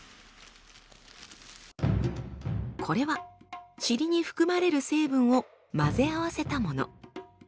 これはチリに含まれる成分を混ぜ合わせたもの。